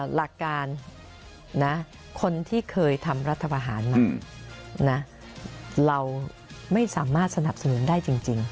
หลักการนะคนที่เคยทำรัฐบาหารมาเราไม่สามารถสนับสนุนได้จริง